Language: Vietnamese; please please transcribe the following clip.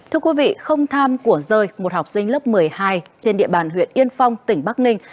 thưa quý vị không tham của rơi một học sinh lớp một mươi hai trên địa bàn huyện yên phong tỉnh bắc ninh